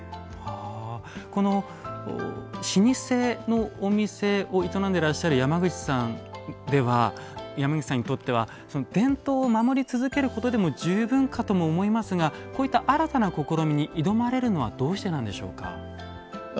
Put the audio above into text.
老舗のお店を営んでらっしゃる山口さんにとっては伝統を守り続けることだけでも十分かとも思いますがこういった新たな試みに挑まれるのはどうしてなんでしょうか？